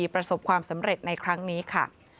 ประสบความสำเร็จในครั้งนี้ค่ะ